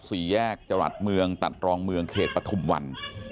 สี่แยกจรัสเมืองตัดรองเมืองเขตปฐุมวัน